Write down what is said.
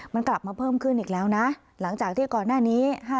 มันกลับมาเพิ่มขึ้นอีกแล้วนะหลังจากที่ก่อนหน้านี้